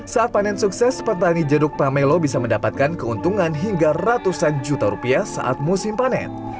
saat panen sukses petani jeruk pamelo bisa mendapatkan keuntungan hingga ratusan juta rupiah saat musim panen